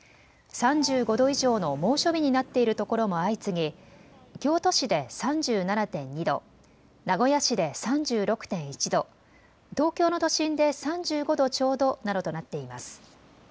３５度以上の猛暑日になっているところも相次ぎ京都市で３７．２度、名古屋市で３６．１度、東京の都心で３５度ちょうどなどとなっています。